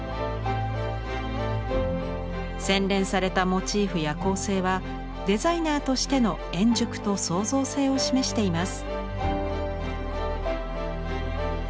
洗練されたモチーフや構成はデザイナーとしての円熟と創造性を示しています。